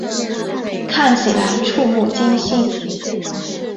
看起来怵目惊心